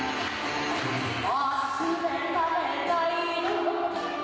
「忘れられないの」